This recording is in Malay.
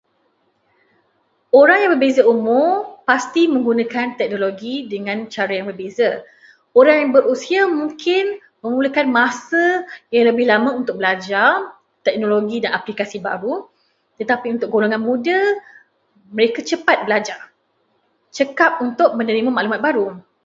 Orang yang berbeza umur pasti menggunakan teknologi dengan cara yang berbeza. Orang yang berusia mungkin memerlukan masa yang lebih lama untuk belajar teknologi dan aplikasi baharu, tetapi untuk golongan muda, mereka cepat belajar, cekap untuk menerima maklumat baharu.